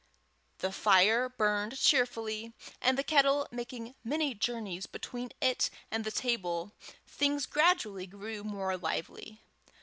The fire burned cheerfully, and the kettle making many journeys between it and the table, things gradually grew more lively.